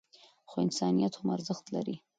خو انسانیت هم ارزښت لري.